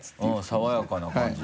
爽やかな感じ。